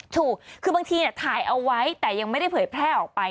ถูกคือบางทีถ่ายเอาไว้แต่ยังไม่ได้เผยแพร่ออกไป